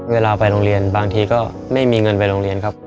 เวลาไปโรงเรียนบางทีก็ไม่มีเงินไปโรงเรียนครับ